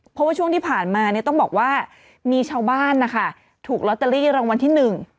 เพราะว่าช่วงที่ผ่านมาเนี่ยต้องบอกว่ามีชาวบ้านนะคะถูกลอตเตอรี่รางวัลที่หนึ่ง